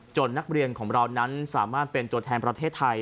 นักเรียนของเรานั้นสามารถเป็นตัวแทนประเทศไทย